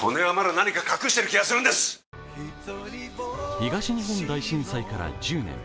東日本大震災から１０年。